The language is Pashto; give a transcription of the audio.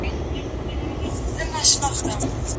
هغه څېړونکی چي خپلواک وي نوي شیان کشفوي.